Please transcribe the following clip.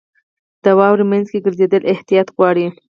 • د واورې مینځ کې ګرځېدل احتیاط غواړي.